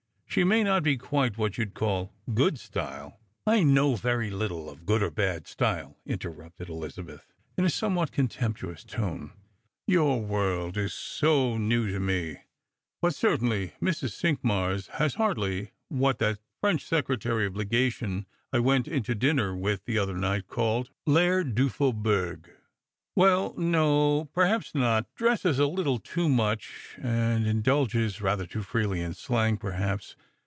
" She may not »e quite what you'd call good style "" I know very Uttle of good or bad style," interrupted Eliza* beth, in a somewhat contemptuous tone; "your world is so new to me. B"* certainly Mrs. Cinqmars has hardly what that Strangers and Pilgrims, ■ 157 French secretaiy of legation I went in to dinner wxtli the othw night called Vair du faahottrg." " Well, no, perhaps not; dresses a little too much, and indulges rather too freely in slang, perhaps.